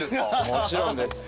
もちろんです。